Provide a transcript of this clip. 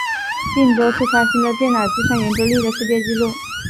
并多次刷新了电脑计算圆周率的世界纪录。